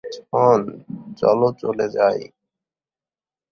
জন, চলো চলে যাই।